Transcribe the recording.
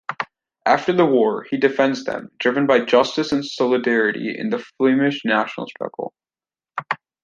After the war, he defends them, driven by justice and solidarity in the Flemish national struggle.